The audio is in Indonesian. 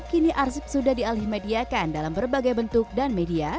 kini arsip sudah dialih mediakan dalam berbagai bentuk dan media